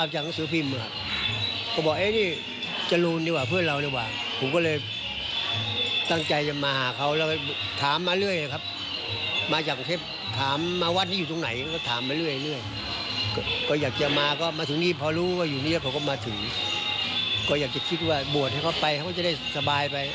ใช้ไฟเหลืองให้เข้าไปแล้วกันให้เข้าไปสู่สุขติอีกด้วย